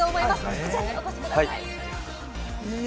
こちらにお越しください。